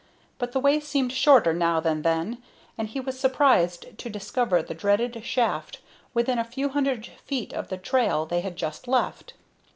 But the way seemed shorter now than then, and he was surprised to discover the dreaded shaft within a few hundred feet of the trail they had just left.